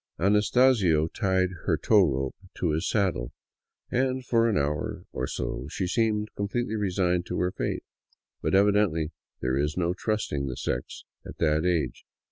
Anastasio tied her tow rope to his saddle, and for an hour or so she seemed completely resigned to her fate. But evidently there is no trusting the sex at that age.